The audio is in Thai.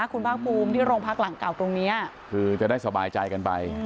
คุณภาคภูมิที่โรงพักหลังเก่าตรงนี้คือจะได้สบายใจกันไป